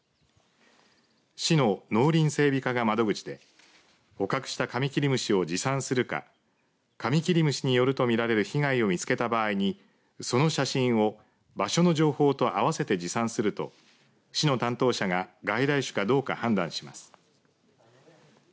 市の農林整備課が窓口で捕獲したカミキリムシを持参するかカミキリムシによるとみられる被害を見つけた場合にその写真を場所の情報と合わせて持参すると市の担当者が外来種かどうか判断します。